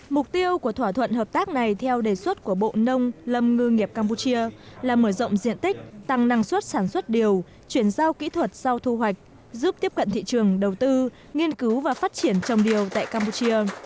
mục tiêu của thỏa thuận hợp tác này theo đề xuất của bộ nông lâm ngư nghiệp campuchia là mở rộng diện tích tăng năng suất sản xuất điều chuyển giao kỹ thuật sau thu hoạch giúp tiếp cận thị trường đầu tư nghiên cứu và phát triển trồng điều tại campuchia